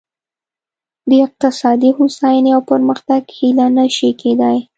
د اقتصادي هوساینې او پرمختګ هیله نه شي کېدای.